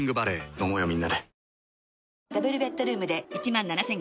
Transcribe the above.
飲もうよみんなで。